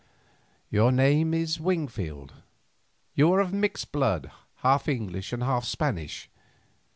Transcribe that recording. "Your name is Wingfield; you are of mixed blood, half English and half Spanish.